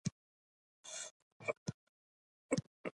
وولسي ژبه یوه نه ده.